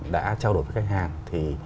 đã trao đổi với khách hàng thì